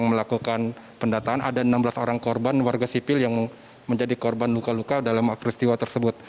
melakukan pendataan ada enam belas orang korban warga sipil yang menjadi korban luka luka dalam peristiwa tersebut